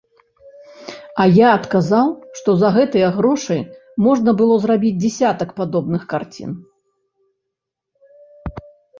А я адказаў, што за гэтыя грошы можна было зрабіць дзясятак падобных карцін.